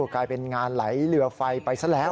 กลายเป็นงานไหลเรือไฟไปซะแล้ว